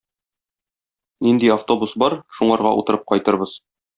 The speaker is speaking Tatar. Нинди автобус бар, шуңарга утырып кайтырбыз.